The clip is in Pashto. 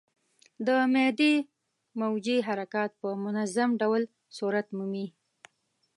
د معدې موجې حرکات په منظم ډول صورت مومي.